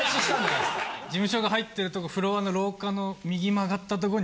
・事務所が入ってるとこフロアの廊下の右曲がったとこに。